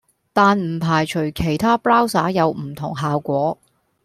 但唔排除其他 Browser 有唔同效果